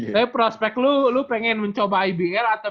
tapi prospek lu pengen mencoba ibl